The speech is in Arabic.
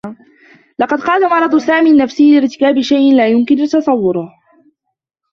لقد قاد مرض سامي النّفسي لارتكاب شيء لا يمكن تصوّره.